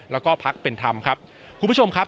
แล้วก็พักเป็นธรรมครับคุณผู้ชมครับ